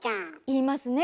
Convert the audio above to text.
いいますね。